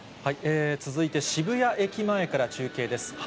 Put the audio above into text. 続いて、渋谷駅前から中継です。